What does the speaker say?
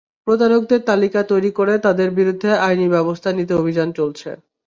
প্রতারকদের তালিকা তৈরি করে তাদের বিরুদ্ধে আইনি ব্যবস্থা নিতে অভিযান চলছে।